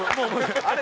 あれ？